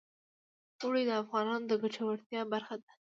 اوړي د افغانانو د ګټورتیا برخه ده.